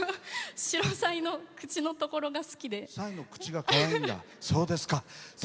シロサイの口のところが好きで。